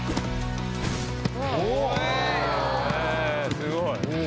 すごい！